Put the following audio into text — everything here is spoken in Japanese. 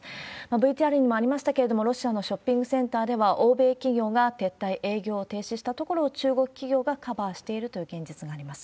ＶＴＲにもありましたけれども、ロシアのショッピングセンターでは、欧米企業が撤退、営業を停止したところを中国企業がカバーしているという現実があります。